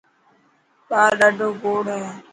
ٻاهر ڏاڌوگوڙ هي.